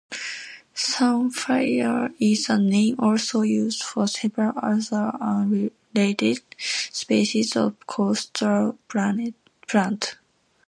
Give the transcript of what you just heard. "Samphire" is a name also used for several other unrelated species of coastal plant.